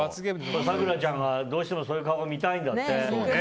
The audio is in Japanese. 咲楽ちゃんがどうしてもそういう顔が見たいんだって。